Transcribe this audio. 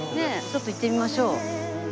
ちょっと行ってみましょう。